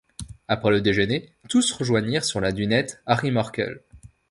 Après le déjeuner, tous rejoignirent sur la dunette Harry Markel.